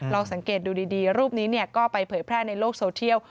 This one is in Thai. ลองสังเกตดูดีรูปนี้ก็ไปเผยแพร่ในโลกโซเทียล